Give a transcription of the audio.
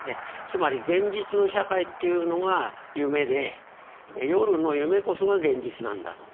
つまり現実の社会っていうのが夢で夜の夢こそが現実なんだと。